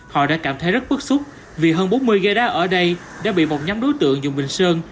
họ đã cảm thấy rất bức xúc vì hơn bốn mươi ghế đá ở đây đã bị một nhóm đối tượng dùng bình sơn